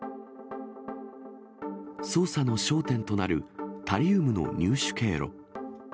捜査の焦点となるタリウムの入手経路。